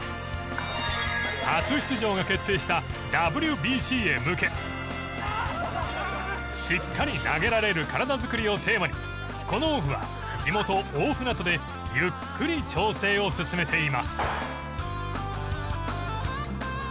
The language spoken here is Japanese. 初出場が決定したＷＢＣへ向けしっかり投げられる体作りをテーマにこのオフは地元大船渡でゆっくり調整を進めています。